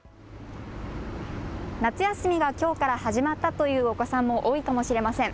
夏休みがきょうから始まったというお子さんも多いかもしれません。